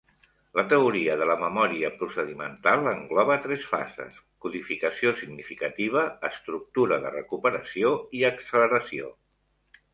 La teoria de la memòria procedimental engloba tres fases: codificació significativa, estructura de recuperació i acceleració.